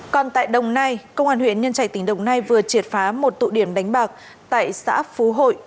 còn tại đồng nai công an huyện nhân trạch tỉnh đồng nai vừa triệt phá một tụ điểm đánh bạc tại xã phú hội